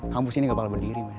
kampus ini ga bakal berdiri men